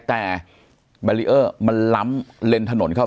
แต่มัลเลียร์มันล้ำเลนถนนเข้ามา